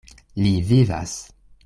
Li vivas!